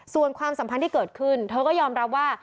ส่วนความสัมพันธ์ที่เกิดขึ้นเธอก็ยอมรับว่า